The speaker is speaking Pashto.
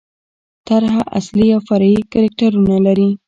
طرحه اصلي او فرعي کرکټرونه لري.